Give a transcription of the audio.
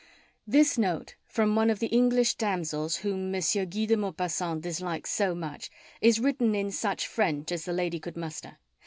This note, from one of the English damsels whom M. Guy de Maupassant dislikes so much, is written in such French as the lady could muster.